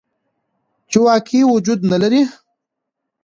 چې واقعي وجود نه لري.